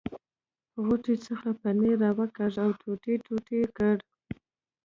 غوټې څخه پنیر را وکاږه او ټوټې ټوټې یې کړ.